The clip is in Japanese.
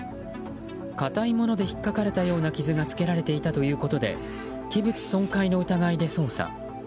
硬いものでひっかかれたような傷がつけられていたということで器物損壊の疑いで捜査。